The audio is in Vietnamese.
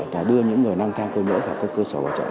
đã đưa những người năng thang cơ nhỡ vào các cơ sở hội trợ